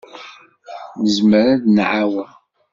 Nezmer ad d-nɛawen.